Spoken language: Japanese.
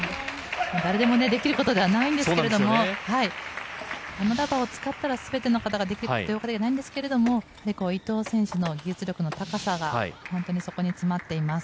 誰でもできることではないんですけどあのラバーを使ったら全ての方ができるというわけではないんですが伊藤選手の技術力の高さが本当にそこに詰まっています。